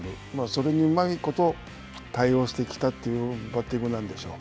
それにうまいこと対応してきたというバッティングなんでしょう。